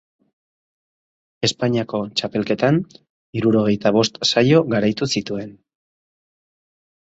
Espainiako Txapelketan, hirurogeita bost saio garaitu zituen.